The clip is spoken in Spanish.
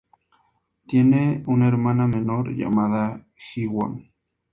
Tiene una hermana menor llamada Jiwon.